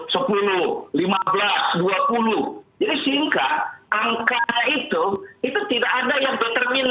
jadi sehingga angkanya itu tidak ada yang determinan